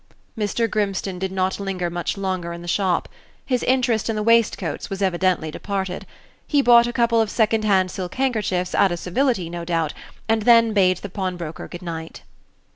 Mr. Grimstone did not linger much longer in the shop. His interest in the waistcoats was evidently departed. He bought a couple of second hand silk handkerchiefs, out of civility, no doubt, and then bade the pawnbroker good night.